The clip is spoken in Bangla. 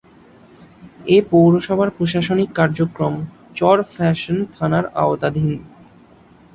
এ পৌরসভার প্রশাসনিক কার্যক্রম চরফ্যাশন থানার আওতাধীন।